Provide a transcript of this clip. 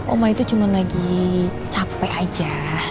oma itu cuma lagi capek aja